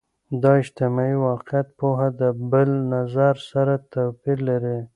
د اجتماعي واقعیت پوهه د بل نظر سره څه توپیر لري؟